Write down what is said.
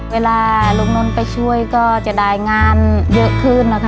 เวลาน้องน้นไปช่วยก็จะได้งานเยอะขึ้น